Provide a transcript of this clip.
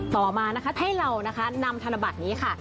ต่อมานะคะให้เรานะคะนำธนบัตรนี้ค่ะ